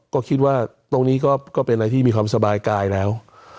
ก็คิดว่าตรงนี้ก็เป็นอะไรที่มีความสบายกายแล้ว